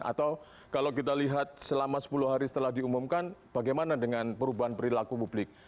atau kalau kita lihat selama sepuluh hari setelah diumumkan bagaimana dengan perubahan perilaku publik